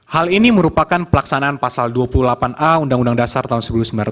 hal ini merupakan pelaksanaan pasal dua puluh delapan a undang undang dasar tahun seribu sembilan ratus empat puluh